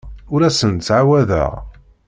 Ur asen-d-ttɛawadeɣ.